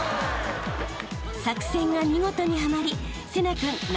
［作戦が見事にはまり］